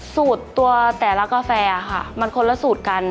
สูตรตัวแต่ละกาแฟค่ะมันคนละสูตรกัน